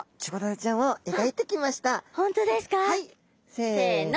せの。